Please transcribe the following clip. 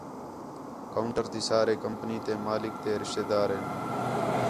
کاؤنٹر تی سارے کمپنی تے مالک تے رشتے دار ہین